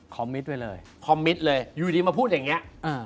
มิตไปเลยคอมมิตเลยอยู่ดีมาพูดอย่างนี้